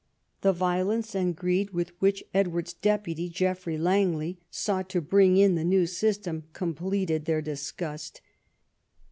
The violence and greed with which Edward's deputy, Geoffrey Langley, sought to bring in the neAv system completed their disgust.